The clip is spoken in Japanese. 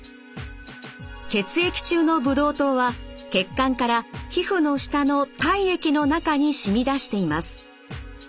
血液中のブドウ糖は血管から皮膚の下の体液の中に染み出しています。